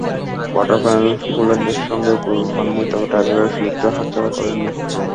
Quarter ফাইনালে পোল্যান্ডের সঙ্গে গোল পাননি, তবে টাইব্রেকারে সুযোগটা হাতছাড়া করেননি।